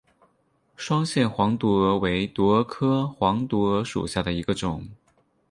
双线黄毒蛾为毒蛾科黄毒蛾属下的一个种。